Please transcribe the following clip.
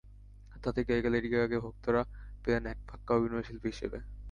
আর তাতেই গায়িকা লেডি গাগাকে ভক্তরা পেলেন এক পাক্কা অভিনয়শিল্পী হিসেবে।